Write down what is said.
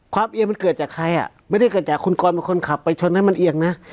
เอียงมันเกิดจากใครอ่ะไม่ได้เกิดจากคุณกรเป็นคนขับไปชนให้มันเอียงนะ